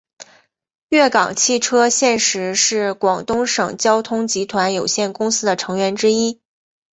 粤港汽车现时是广东省交通集团有限公司的成员之一。